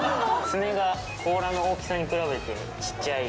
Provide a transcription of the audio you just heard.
爪が甲羅の大きさに比べて小っちゃい。